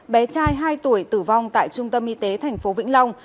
bé trai hai tuổi tử vong tại trung tâm y tế tp vĩ long